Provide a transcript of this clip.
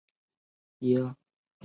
前十名的单曲是第一次的记录。